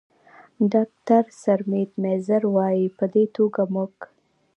ډاکتر سرمید میزیر، وايي: "په دې توګه موږ